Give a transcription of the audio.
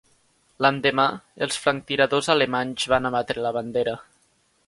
L'endemà, els franctiradors alemanys van abatre la bandera.